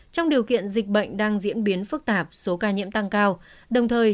trong điều kiện dịch bệnh đang diễn biến phức tạp số ca nhiễm tăng cao đồng thời